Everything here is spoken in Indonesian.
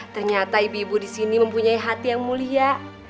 ternyata ibu ibu disini mempunyai hati yang mulia